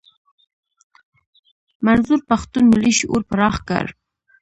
منظور پښتون ملي شعور پراخ کړ.